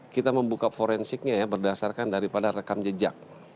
kita membuka forensiknya ya berdasarkan daripada rekam jejak